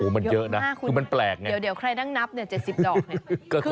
มันเยอะนะมันแปลกไงเดี๋ยวใครนั่งนับ๗๐ดอก